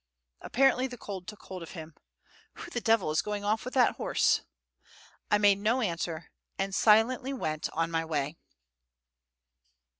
Apparently, the cold took hold of him. "Who the devil is going off with that horse?" I made no answer, and silently went on my way.